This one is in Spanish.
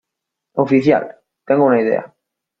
oficial, tengo una idea.